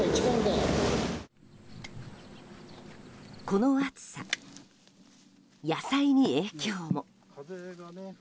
この暑さ、野菜に影響も。